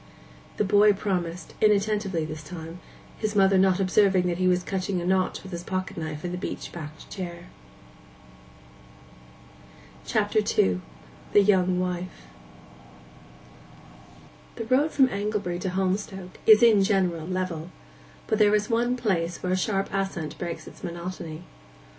The boy again promised, inattentively this time, his mother not observing that he was cutting a notch with his pocket knife in the beech backed chair. CHAPTER II—THE YOUNG WIFE The road from Anglebury to Holmstoke is in general level; but there is one place where a sharp ascent breaks its monotony.